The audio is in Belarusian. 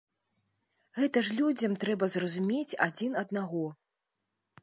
Гэта ж людзям трэба зразумець адзін аднаго.